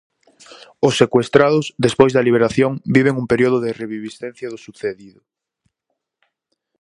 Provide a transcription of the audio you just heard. Os secuestrados, despois da liberación, viven un período de reviviscencia do sucedido.